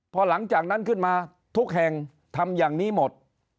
พอหลังจากนั้นขึ้นมาทุกแห่งทำอย่างนี้หมด